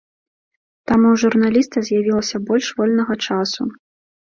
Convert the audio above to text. Таму ў журналіста з'явілася больш вольнага часу.